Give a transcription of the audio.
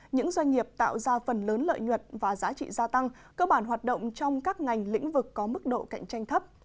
những doanh nghiệp tạo ra phần lớn lợi nhuận và giá trị gia tăng cơ bản hoạt động trong các ngành lĩnh vực có mức độ cạnh tranh thấp